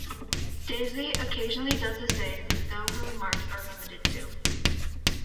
Daisy occasionally does the same, though her remarks are limited to ?